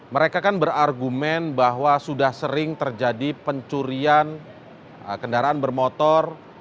mereka kan berargumen bahwa sudah sering terjadi pencurian kendaraan bermotor